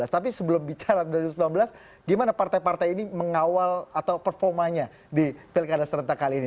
tapi sebelum bicara dua ribu sembilan belas gimana partai partai ini mengawal atau performanya di pilkada serentak kali ini